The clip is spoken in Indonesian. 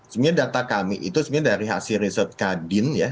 sebenarnya data kami itu sebenarnya dari hasil riset kadin ya